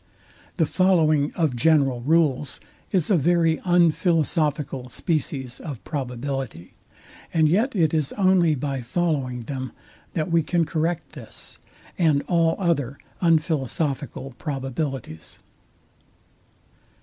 The following of general rules is a very unphilosophical species of probability; and yet it is only by following them that we can correct this, and all other unphilosophical probabilities.